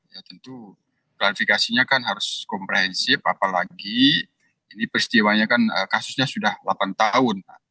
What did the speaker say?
ya tentu klarifikasinya kan harus komprehensif apalagi ini peristiwanya kan kasusnya sudah delapan tahun